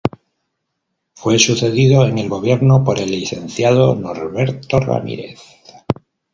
Fue sucedido en el gobierno, por el licenciado Norberto Ramírez.